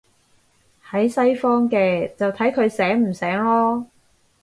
喺西方嘅，就睇佢醒唔醒囉